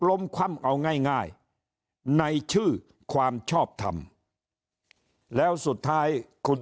คว่ำเอาง่ายในชื่อความชอบทำแล้วสุดท้ายคุณ